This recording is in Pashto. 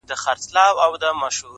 روغه ونه کړې زندګۍ راسره ورانه اوسه